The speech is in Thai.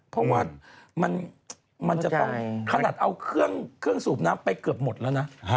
เพราะว่ามันจะต้องขนาดเอาเครื่องสูบน้ำไปเกือบหมดแล้วนะ